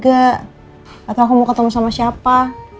gak tau aku mau ketemu sama siapa